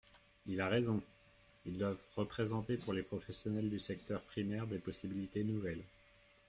Il a raison ! Ils doivent représenter pour les professionnels du secteur primaire des possibilités nouvelles.